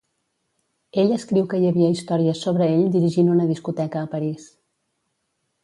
Ell escriu que hi havia històries sobre ell dirigint una discoteca a París.